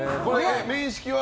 面識は？